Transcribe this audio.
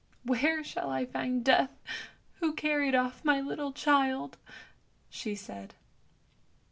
" Where shall I find Death, who carried off my little child? " she said.